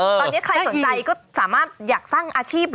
ตอนนี้ใครสนใจก็สามารถอยากสร้างอาชีพ